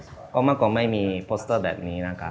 ก็มากกว่าไม่มีโปสเตอร์แบบนี้นะครับ